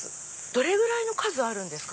どれぐらいの数あるんですか？